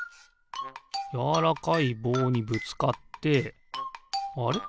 やわらかいぼうにぶつかってあれ？